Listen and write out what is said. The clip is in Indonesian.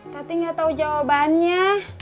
tati gak tau jawabannya